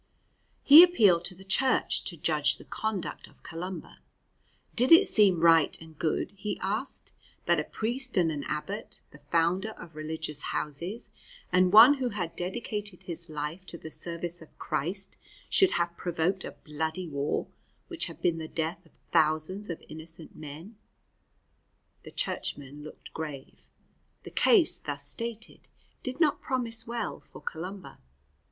He appealed to the Church to judge the conduct of Columba. Did it seem right and good, he asked, that a priest and an abbot, the founder of religious houses, and one who had dedicated his life to the service of Christ, should have provoked a bloody war which had been the death of thousands of innocent men? The churchmen looked grave. The case thus stated did not promise well for Columba.